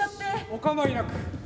お構いなく。